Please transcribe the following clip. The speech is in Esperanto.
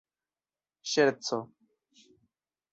ŝerco